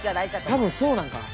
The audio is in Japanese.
多分そうなんかな。